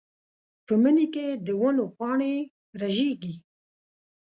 په مني کې د ونو پاڼې رژېږي.